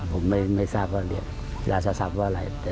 ผมไม่ไม่ทราบว่าเรียกราชศาสตร์ว่าอะไร